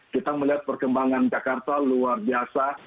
kita melihat perkembangan jakarta luar biasa